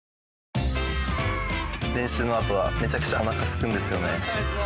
練習のあとはめちゃくちゃおなかすくんですよね。